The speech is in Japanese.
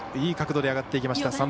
いい角度で上がっていきました